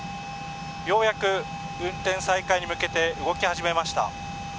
ようやく運転再開に向けて動き始めました。